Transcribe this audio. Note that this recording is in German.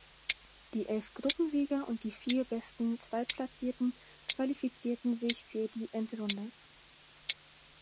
Die elf Gruppensieger und die vier besten Zweitplatzierten qualifizierten sich für die Endrunde.